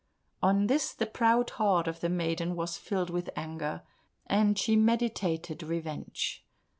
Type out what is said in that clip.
On this the proud heart of the maiden was filled with anger, and she meditated revenge.